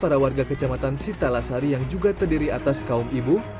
para warga kecamatan sitalasari yang juga terdiri atas kaum ibu